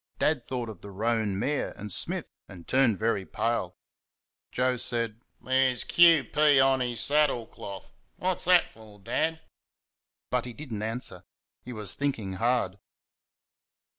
Dad thought of the roan mare, and Smith, and turned very pale. Joe said: "There's "Q.P." on his saddle cloth; what's that for, Dad?" But he did n't answer he was thinking hard.